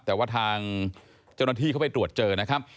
แต่ว่าทางเจ้าหน้าที่เขาไปตรวจเจอนะครับ